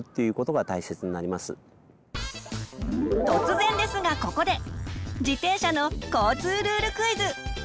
突然ですがここで自転車の交通ルールクイズ！